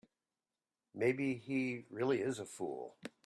Maybe he really is a fool.